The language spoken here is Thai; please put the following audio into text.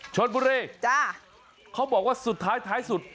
ชนบุรีเขาบอกว่าสุดท้ายสุด